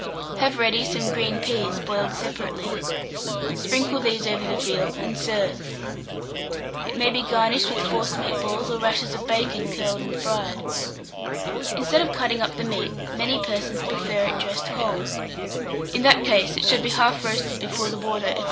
Have ready some green peas, boiled separately; sprinkle these over the veal, and serve. It may be garnished with forcemeat balls, or rashers of bacon curled and fried. Instead of cutting up the meat, many persons prefer it dressed whole; in that case it should be half roasted before the water, &c.